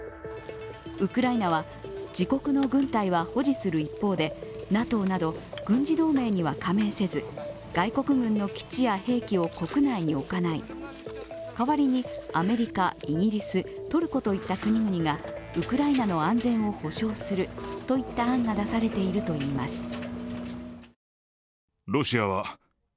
ウクライナは自国の軍隊は保持する一方でＮＡＴＯなど軍事同盟には加盟せず外国軍の基地や兵器を国内に置かない、代わりにアメリカ、イギリストルコといった国々がウクライナの安全を保障するといった案が出されているといいます。